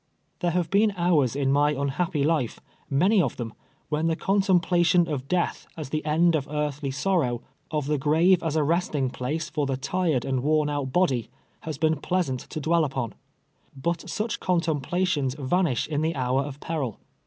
There have been hours in my nidiapj^y life, many of them, when the contemplation of death as the end of earthly sorrow — of the grave as a resting place for tlie tired and worn out body — has been pleasant to dwell upon. But such contemjdations vanish in the hour of peril.